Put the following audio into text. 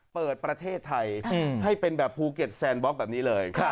เปิดประเทศไทยให้เป็นแบบภูเก็ตแซนบล็อกแบบนี้เลย